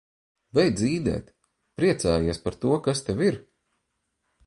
Beidz ?d?t! Priec?jies par to, kas Tev ir!